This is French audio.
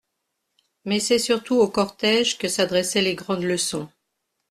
Mais c'est surtout au cortége que s'adressaient les grandes leçons.